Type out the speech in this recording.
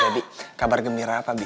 kabar gembira apa bi